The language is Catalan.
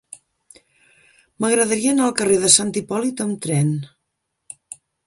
M'agradaria anar al carrer de Sant Hipòlit amb tren.